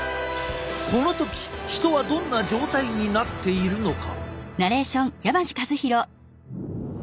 この時人はどんな状態になっているのか？